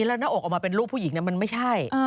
แล้วหน้าอกออกมาเป็นลูกผู้หญิงมันไม่ใช่